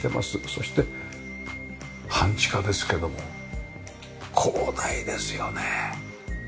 そして半地下ですけども広大ですよね。